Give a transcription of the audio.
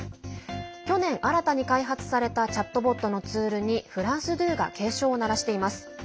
去年、新たに開発されたチャットボットのツールにフランス２が警鐘を鳴らしています。